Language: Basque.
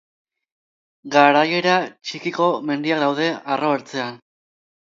Garaiera txikiko mendiak daude arro ertzean.